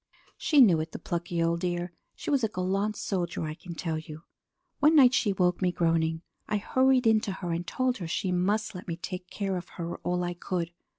"She knew it, the plucky old dear. She was a gallant soldier, I can tell you! One night she woke me groaning. I hurried in to her and told her she must let me take care of her all I could.